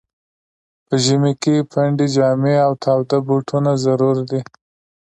په ژمي کي پنډي جامې او تاوده بوټونه ضرور دي.